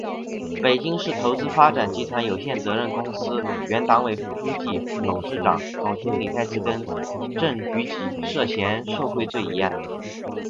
北京市文化投资发展集团有限责任公司原党委副书记、副董事长、总经理戴自更（正局级）涉嫌受贿罪一案